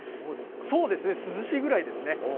そうですね、涼しいぐらいですね。